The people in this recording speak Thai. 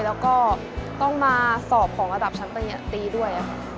แล้วก็ต้องมาสอบของระดับชั้นปริญญาตีด้วยค่ะ